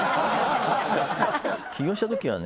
起業したときはね